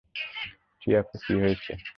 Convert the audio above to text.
Chiyoko, কী হয়েছে?